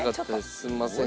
すんません。